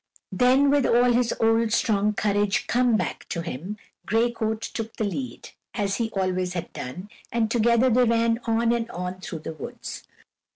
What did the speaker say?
Then, with all his old, strong courage come back to him, Gray Coat took the lead, as he always had done, and together they ran on and on through the woods.